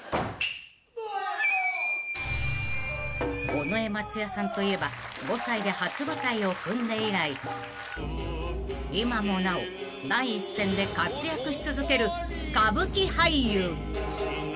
［尾上松也さんといえば５歳で初舞台を踏んで以来今もなお第一線で活躍し続ける歌舞伎俳優］